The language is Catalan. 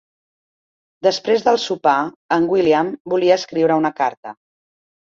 Després del sopar, en William volia escriure una carta.